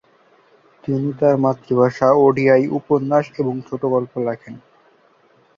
তিনি তার মাতৃভাষা ওডিয়ায় উপন্যাস এবং ছোট গল্প লেখেন।